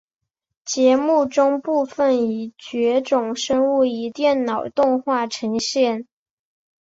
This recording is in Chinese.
节目中部分已绝种生物以电脑动画呈现。